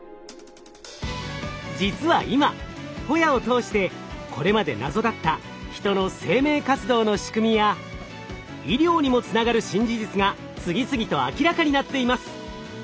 実は今ホヤを通してこれまで謎だったヒトの生命活動の仕組みや医療にもつながる新事実が次々と明らかになっています。